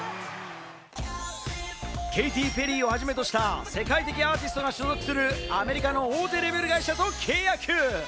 ケイティ・ペリーをはじめとした世界的アーティストが所属する、アメリカの大手レーベル会社と契約。